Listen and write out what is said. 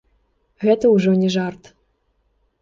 Гэта ўжо не жарт.